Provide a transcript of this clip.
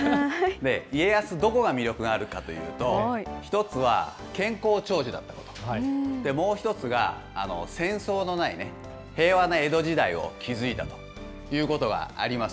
家康、どこが魅力があるかというと、１つは健康長寿だったこと、もう１つが、戦争のない平和な江戸時代を築いたということがあります。